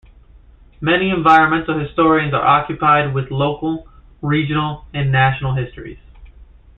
Many environmental historians are occupied with local, regional and national histories.